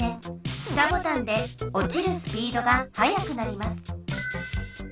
下ボタンでおちるスピードがはやくなります。